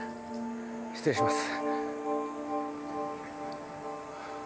失礼します。